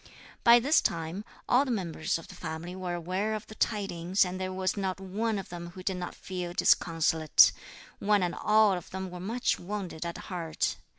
By this time, all the members of the family were aware of the tidings, and there was not one of them who did not feel disconsolate; one and all of them were much wounded at heart.